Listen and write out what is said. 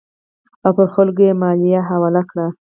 او پر خلکو یې مالیه حواله کړه.